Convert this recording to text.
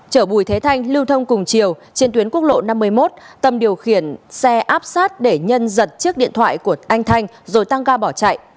chở bùi thế thanh lưu thông cùng chiều trên tuyến quốc lộ năm mươi một tâm điều khiển xe áp sát để nhân giật chiếc điện thoại của anh thanh rồi tăng ga bỏ chạy